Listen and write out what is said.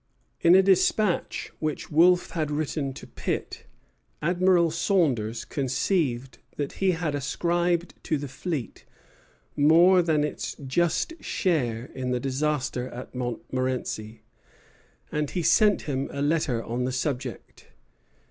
In a despatch which Wolfe had written to Pitt, Admiral Saunders conceived that he had ascribed to the fleet more than its just share in the disaster at Montmorenci; and he sent him a letter on the subject.